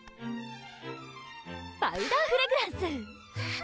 パウダーフレグランス！